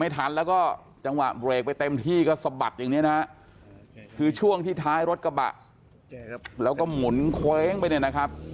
ทันแล้วก็จังหวะเบรกไปเต็มที่ก็สะบัดอย่างนี้นะฮะคือช่วงที่ท้ายรถกระบะแล้วก็หมุนเคว้งไปเนี่ยนะครับ